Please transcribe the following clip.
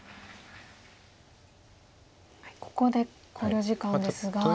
ここで考慮時間ですが。